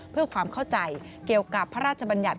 เพื่อความเข้าใจเกี่ยวกับพระราชบัญญัติ